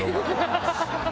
ハハハハ！